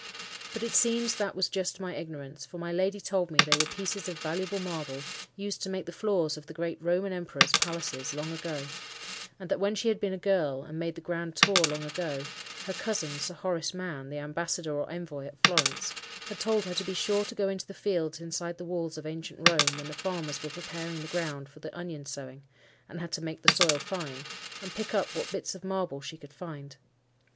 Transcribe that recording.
But it seems that was just my ignorance; for my lady told me they were pieces of valuable marble, used to make the floors of the great Roman emperors palaces long ago; and that when she had been a girl, and made the grand tour long ago, her cousin Sir Horace Mann, the Ambassador or Envoy at Florence, had told her to be sure to go into the fields inside the walls of ancient Rome, when the farmers were preparing the ground for the onion sowing, and had to make the soil fine, and pick up what bits of marble she could find.